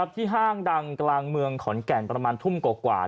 ห้างดังกลางเมืองขอนแก่นประมาณทุ่มกว่า